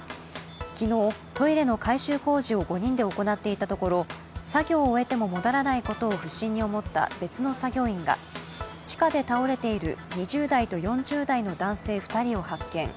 昨日トイレの改修工事を５人で行っていたところ作業を終えても戻らないことを不審に思った別の作業員が地下で倒れている２０代と４０代の男性２人を発見。